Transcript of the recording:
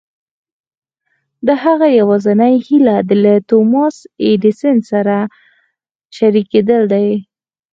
د هغه يوازېنۍ هيله له توماس اې ايډېسن سره شريکېدل دي.